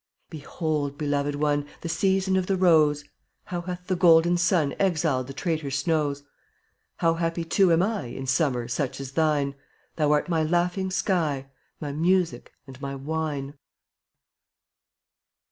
Behold, beloved one, The season of the rose! How hath the golden sun Exiled the traitor snows. How happy, too, am I In summer such as thine; Thou art my laughing sky, My music and my wine.